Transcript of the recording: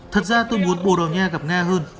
thật ra tôi muốn borogna gặp nga hơn